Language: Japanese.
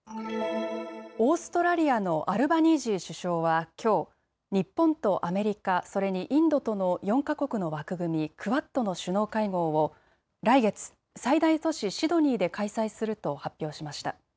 オーストラリアのアルバニージー首相はきょう、日本とアメリカ、それにインドとの４か国の枠組み、クアッドの首脳会合を来月、最大都市シドニーで開催すると発表しました。